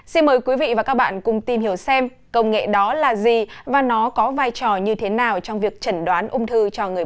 xin mời quý vị và các bạn cùng tìm hiểu xem công nghệ đó là gì và nó có vai trò như thế nào trong việc trần đoán ung thư